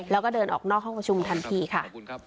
แล้วก็เดินออกนอกห้องความความชุมทันทีค่ะ